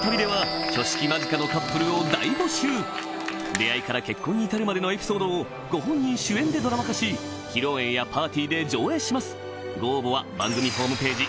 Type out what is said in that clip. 出会いから結婚に至るまでのエピソードをご本人主演でドラマ化し披露宴やパーティーで上映します